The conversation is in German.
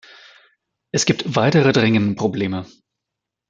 Es gibt weitere dringende Probleme.